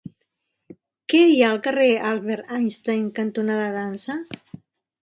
Què hi ha al carrer Albert Einstein cantonada Dansa?